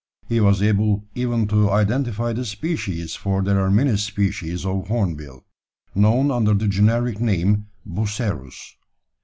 He was able even to identify the species, for there are many species of hornbill, known under the generic name, Bucerus.